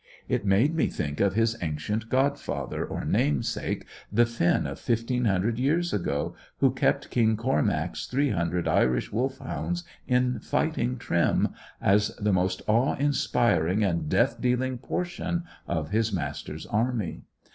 It made me think of his ancient godfather, or namesake, the Finn of fifteen hundred years ago, who kept King Cormac's three hundred Irish Wolfhounds in fighting trim, as the most awe inspiring and death dealing portion of his master's army.